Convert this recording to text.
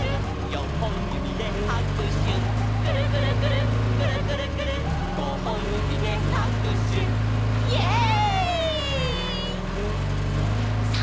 「よんほんゆびではくしゅ」「くるくるくるっくるくるくるっごほんゆびではくしゅ」イエイ！